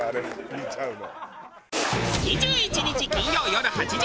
見ちゃうの。